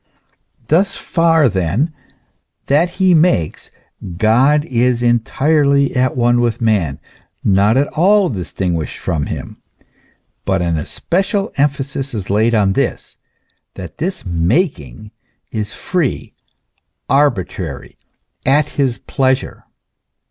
Thus far then that He makes God is entirely at one with man, not at all distinguished from him ; but an especial emphasis is laid on this, that his making is free, arbitrary, at his pleasure.